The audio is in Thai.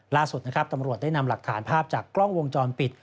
ล่าสุดนะครับตำรวจได้นำหลักฐานภาพจากกล้องวงจรปิด